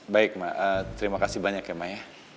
baik ma terima kasih banyak ya ma ya